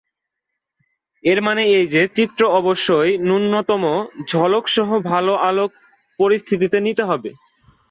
এর মানে এই যে, চিত্র অবশ্যই নূন্যতম ঝলক সহ ভাল আলোক পরিস্থিতিতে নিতে হবে।